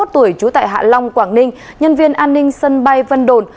ba mươi tuổi trú tại hạ long quảng ninh nhân viên an ninh sân bay vân đồn